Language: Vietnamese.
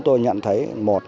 tôi nhận thấy